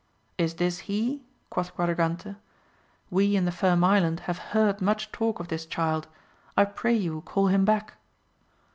Is this he % quoth Quadragante, we in the Firm Island have heard much talk of this child, I pray you call him back.